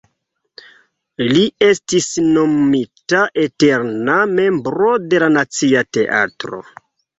Li estis nomumita eterna membro de la Nacia Teatro.